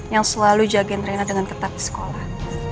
yang selalu jagain rena dengan ketat di sekolah